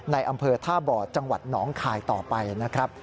ในอำเภอท่าบ่อจังหวัดหนองคายต่อไปนะครับ